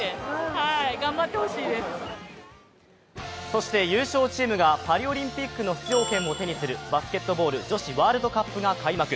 そして優勝チームがパリオリンピックの出場権を手にするバスケットボール女子ワールドカップが開幕。